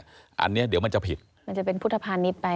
อันนี้เดี๋ยวมันจะผิดมันจะเป็นพุทธภานิษฐ์ไป